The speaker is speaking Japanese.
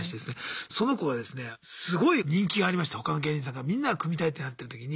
その子がですねすごい人気がありまして他の芸人さんからみんなが組みたいってなってる時に。